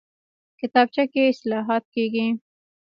کتابچه کې اصلاحات کېږي